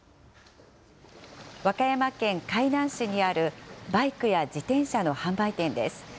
和歌山県海南市にあるバイクや自転車の販売店です。